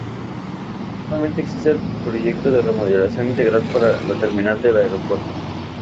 Actualmente existe el proyecto de remodelación integral para la terminal del aeropuerto.